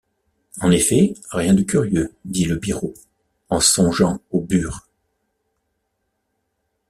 En effet, rien de curieux... dit le biró, en songeant au burg.